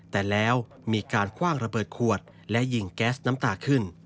แต่แล้วมีการคว่างระเบิดขวดและยิงแก๊สน้ำตาขึ้น